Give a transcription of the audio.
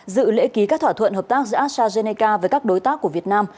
dự lễ ký các thỏa thuận hợp tác giữa astrazeneca với các đối tác của việt nam